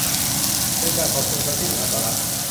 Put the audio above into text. บริการของชุมชนที่มีอัตลักษณ์